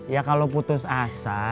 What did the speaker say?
ya kalau putus asa